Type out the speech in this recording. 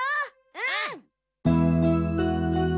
うん！